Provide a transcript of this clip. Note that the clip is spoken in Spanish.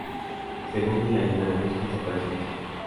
Según una leyenda la virgen se apareció en ese lugar.